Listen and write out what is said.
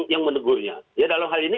yang menegurnya ya dalam hal ini